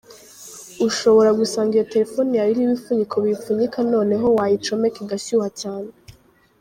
Ushobora gusanga iyo telefoni yawe iriho ibifuniko biyipfuka noneho wayicomeka igashyuha cyane.